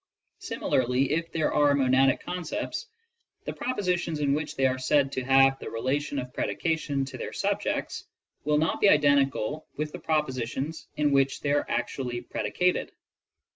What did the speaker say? Similarly, if there are monadic concepts, the propositions in which they are said to have the relation of predication to their subjects will not be identical with the propositions in which they are actually predicated.